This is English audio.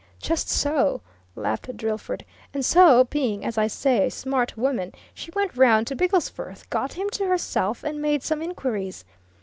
"Just so," laughed Drillford, "and so, being, as I say, a smart woman, she went round to Bigglesforth, got him to herself, and made some inquiries.